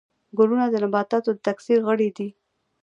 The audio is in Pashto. ګلونه د نباتاتو د تکثیر غړي دي